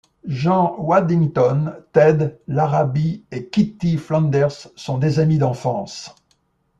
Jean Waddington, Ted Larrabee et Kitty Flanders sont des amis d'enfance.